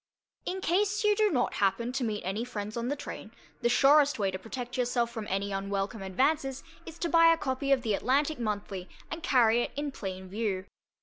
In case you do not happen to meet any friends on the train, the surest way to protect yourself from any unwelcome advances is to buy a copy of the Atlantic Monthly and carry it, in plain view.